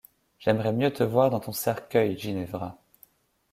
J’aimerais mieux te voir dans ton cercueil, Ginevra.